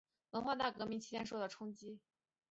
文化大革命期间受到冲击。